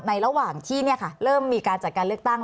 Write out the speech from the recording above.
ระหว่างที่เริ่มมีการจัดการเลือกตั้ง